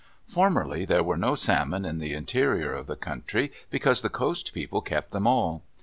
Formerly there were no salmon in the interior of the country because the coast people kept them all.